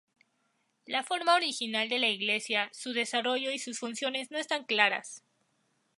La forma original de la iglesia, su desarrollo y sus funciones no están claras.